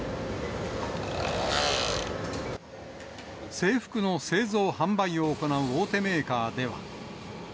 制服の製造・販売を行う大手メーカーでは。